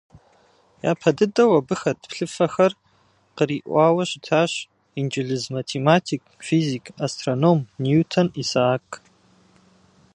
Япэ дыдэу абы хэт плъыфэхэр къриӏуауэ щытащ инджылыз математик, физик, астроном Ньютон Исаак.